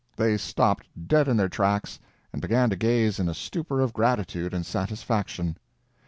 They stopped dead in their tracks and began to gaze in a stupor of gratitude and satisfaction.